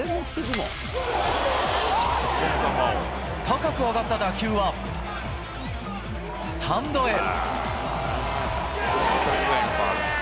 高く上がった打球は、スタンドへ。